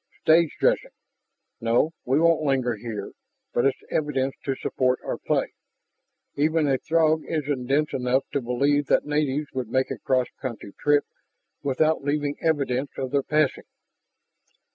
"Stage dressing. No, we won't linger here. But it's evidence to support our play. Even a Throg isn't dense enough to believe that natives would make a cross country trip without leaving evidence of their passing."